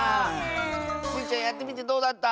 スイちゃんやってみてどうだった？